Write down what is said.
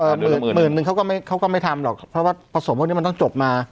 หมื่นหมื่นนึงเขาก็ไม่เขาก็ไม่ทำหรอกเพราะว่าผสมพวกนี้มันต้องจบมา